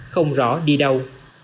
không rõ đi đâu